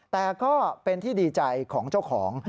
แต่ก็เป็นที่ดีใจของเจ้าของ